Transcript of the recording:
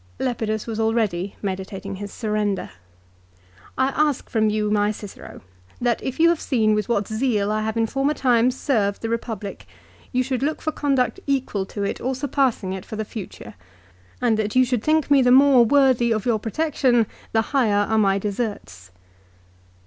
Lepidus was already meditating his surrender. " I ask from you, my Cicero, that if you have seen with what zeal I have in former times served the Ee public, you should look for conduct equal to it or surpassing it for the future ; and that you should think me the more 278 LIFE OF CICERO. worthy of your protection, the higher are my deserts.